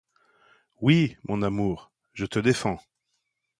Oui, mon amour, je te défends!